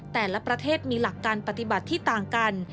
แต่ละประเทศมีหลักการปฏิบัติที่ต่างกัน